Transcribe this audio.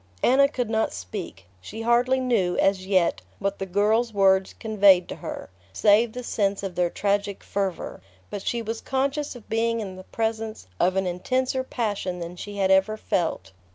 Anna could not speak. She hardly knew, as yet, what the girl's words conveyed to her, save the sense of their tragic fervour; but she was conscious of being in the presence of an intenser passion than she had ever felt.